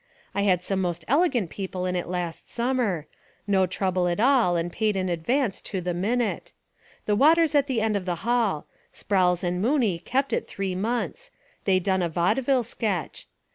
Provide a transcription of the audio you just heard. I had some most elegant people In it last summer — no trouble at all and paid in advance to the minute. The water's at the end of the hall. Sprowls and Mooney kept it three months. They done a vaudeville sketch.